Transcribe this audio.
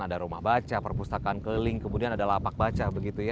ada rumah baca perpustakaan keliling kemudian ada lapak baca